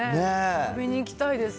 食べに行きたいです。